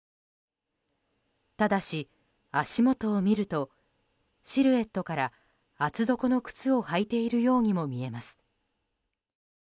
ただし、足元を見るとシルエットから厚底の靴を履いているようにも見えます。